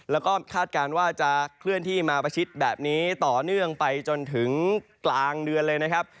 แล้วก็คาดการณ์ว่าจะเคลื่อนที่มาประชิดแบบนี้ต่อเนื่องไปจนถึงกลางเดือนเลยนะครับ